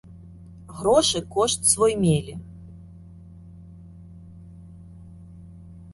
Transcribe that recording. Грошы кошт свой мелі.